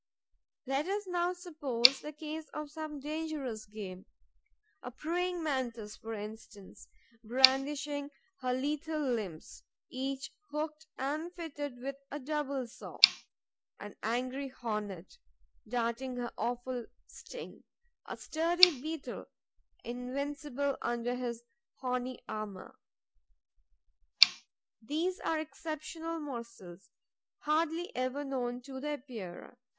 Let us now suppose the case of some dangerous game: a Praying Mantis, for instance, brandishing her lethal limbs, each hooked and fitted with a double saw; an angry Hornet, darting her awful sting; a sturdy Beetle, invincible under his horny armour. These are exceptional morsels, hardly ever known to the Epeirae.